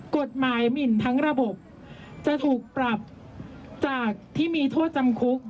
กฎหมายหมินทั้งระบบจะถูกปรับจากที่มีโทษจำคุก